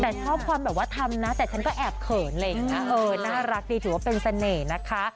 แต่ชอบความแบบว่าทำนะแต่ฉันก็แอบเขินอะไรอย่างนี้เออน่ารักดีถือว่าเป็นเสน่ห์นะคะ